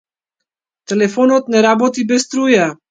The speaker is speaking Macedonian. Телефонот не работи без струја.